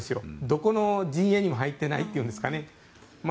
どこの陣営にも入っていないというんですかね。